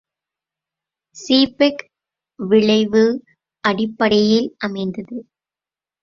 Seebeck விளைவு அடிப்படையில் அமைந்தது.